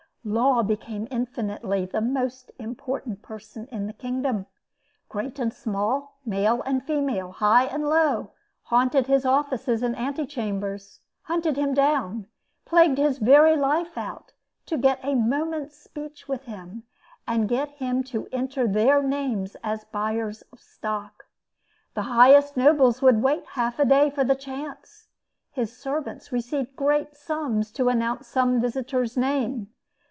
Law became infinitely the most important person in the kingdom. Great and small, male and female, high and low, haunted his offices and ante chambers, hunted him down, plagued his very life out, to get a moment's speech with him, and get him to enter their names as buyers of stock. The highest nobles would wait half a day for the chance. His servants received great sums to announce some visitor's name.